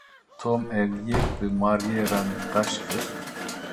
Tom ev yek bi Maryê re nîqaş kir.